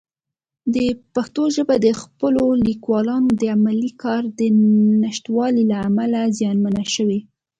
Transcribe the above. پښتو ژبه د خپلو لیکوالانو د علمي کار د نشتوالي له امله زیانمنه شوې.